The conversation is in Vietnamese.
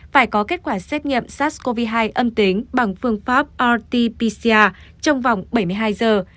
phải có kết quả xét nghiệm sars cov hai âm tính bằng phương pháp rt pcr trong vòng bảy mươi hai giờ